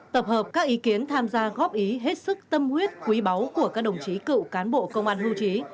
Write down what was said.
tập hợp các ý kiến tham gia góp ý hết sức tâm huyết quý báu của các đồng chí cựu cán bộ công an hưu trí